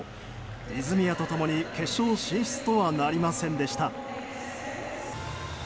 泉谷と共に決勝進出とはなりませんでした。